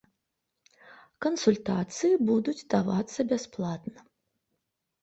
Кансультацыі будуць давацца бясплатна.